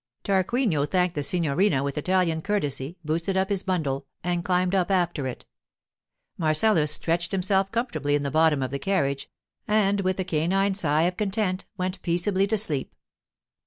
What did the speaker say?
Tarquinio thanked the signorina with Italian courtesy, boosted up his bundle, and climbed up after it. Marcellus stretched himself comfortably in the bottom of the carriage, and with a canine sigh of content went peaceably to sleep.